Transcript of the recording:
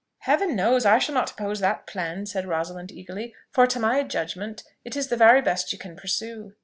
"Heaven knows, I shall not oppose that plan," said Rosalind eagerly; "for to my judgment, it is the very best you can pursue."